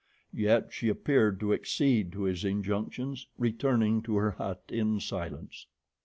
Yet she appeared to accede to his injunctions, returning to her hut in silence.